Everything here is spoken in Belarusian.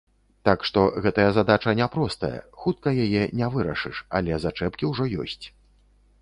Так што гэтая задача няпростая, хутка яе не вырашыш, але зачэпкі ўжо ёсць.